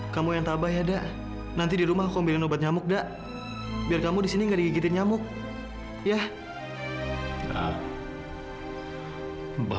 sampai jumpa di video selanjutnya